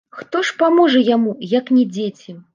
Хто ж паможа яму, як не дзеці!